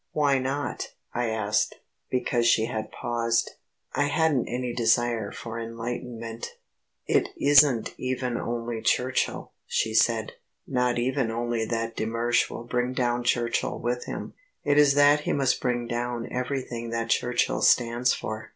"Why not?" I asked, because she had paused. I hadn't any desire for enlightenment. "It isn't even only Churchill," she said, "not even only that de Mersch will bring down Churchill with him. It is that he must bring down everything that Churchill stands for.